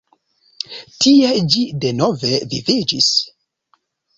Tie ĝi denove viviĝis.